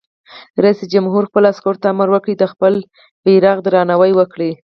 رئیس جمهور خپلو عسکرو ته امر وکړ؛ د خپل بیرغ درناوی وکړئ!